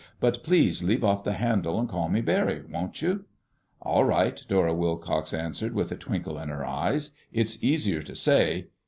"But please leave off the handle and call me Barry, won't you?" "All right," Dora Wilcox answered, with a twinkle in her eyes. "It's easier to say....